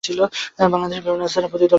বাংলাদেশের বিভিন্ন স্থানে পতিতালয় আছে।